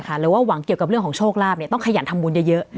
หรือว่าหวังเกี่ยวกับเรื่องของโชคลาภต้องขยันทำบุญเยอะ